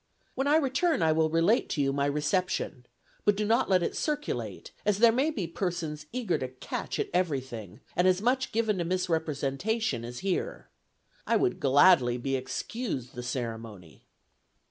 When I return, I will relate to you my reception; but do not let it circulate, as there may be persons eager to catch at every thing, and as much given to misrepresentation as here. I would gladly be excused the ceremony."